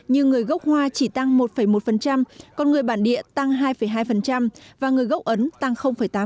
như người gốc hoa chỉ tăng một một còn người bản địa tăng hai hai và người gốc ấn tăng tám